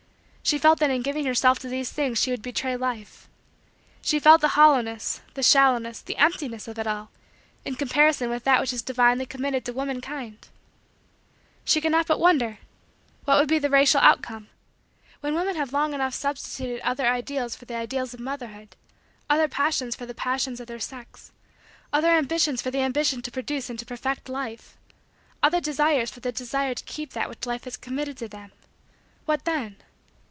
She felt that in giving herself to these things she would betray Life. She felt the hollowness, the shallowness, the emptyness of it all in comparison with that which is divinely committed to womankind. She could not but wonder: what would be the racial outcome? When women have long enough substituted other ideals for the ideals of motherhood other passions for the passions of their sex other ambitions for the ambition to produce and to perfect Life other desires for the desire to keep that which Life has committed to them what then?